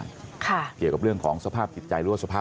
ลูกสาวหลายครั้งแล้วว่าไม่ได้คุยกับแจ๊บเลยลองฟังนะคะ